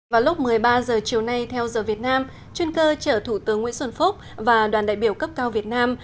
vào lúc một mươi ba h chiều nay theo giờ việt nam chuyên cơ chở thủ tướng nguyễn xuân phúc và đoàn đại biểu cấp cao việt nam